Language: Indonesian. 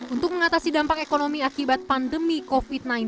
untuk mengatasi dampak ekonomi akibat pandemi covid sembilan belas